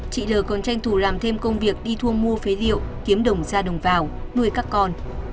chị lờ còn tranh thủ làm thêm công việc đi thua mua phế điệu kiếm đồng ra đồng vào nuôi các con